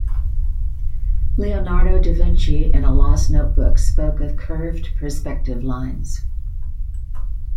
Leonardo da Vinci in a lost notebook spoke of curved perspective lines.